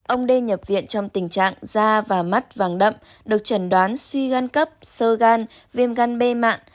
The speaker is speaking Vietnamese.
ông đê nhập viện trong tình trạng da và mắt vàng đậm được chẩn đoán suy gan cấp sơ gan viêm gan b mạng